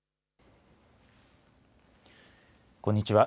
こんにちは。